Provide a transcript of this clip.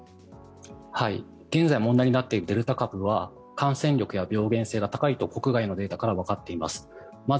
現在問題になっているデルタ株は感染力や病原性が高いと国内のデータからわかっています。